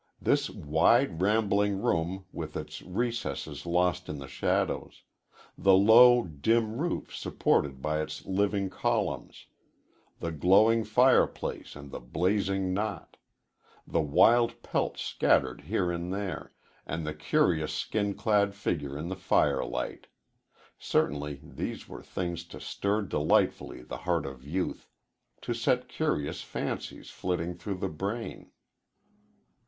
This wide, rambling room with its recesses lost in the shadows; the low, dim roof supported by its living columns; the glowing fireplace and the blazing knot; the wild pelts scattered here and there, and the curious skin clad figure in the firelight certainly these were things to stir delightfully the heart of youth, to set curious fancies flitting through the brain.